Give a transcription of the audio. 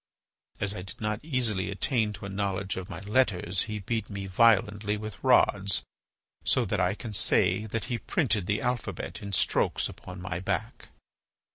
As I did not easily attain to a knowledge of my letters, he beat me violently with rods so that I can say that he printed the alphabet in strokes upon my back."